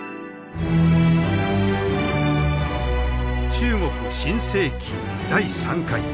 中国新世紀第３回。